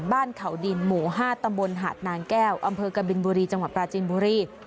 บ้านเขาดินหมู่๕ตำบลหาดนางแก้วอำเภอกบินบุรีจังหวัดปราจินบุรี